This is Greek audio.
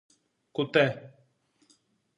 Κουτέ!